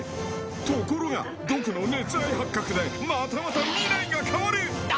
ところがドクの熱愛発覚でまたまた未来が変わる。